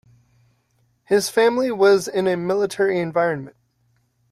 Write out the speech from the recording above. His family was in a military environment.